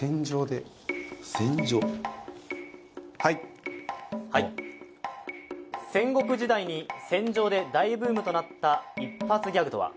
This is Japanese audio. はいはい戦国時代に戦場で大ブームとなった一発ギャグとは？